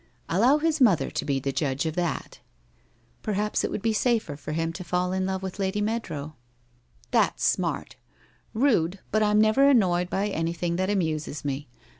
' Allow his mother to be the judge of that.' ' Perhaps it would be safer for him to fall in love with' Lady Meadrow ?'' That's smart ! Rude, but I'm never annoyed by any thing that amuses me.